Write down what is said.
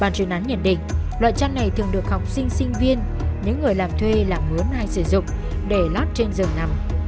bản truyền án nhận định loại chăn này thường được học sinh sinh viên những người làm thuê làm mướn hay sử dụng để lót trên giường nằm